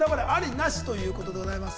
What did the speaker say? なし？ということでございます。